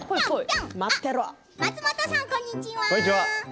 松本さん、こんにちは。